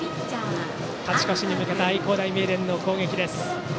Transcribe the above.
勝ち越しに向けた愛工大名電の攻撃です。